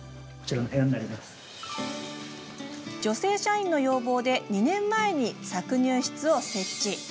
女性社員の要望で２年前に搾乳室を設置。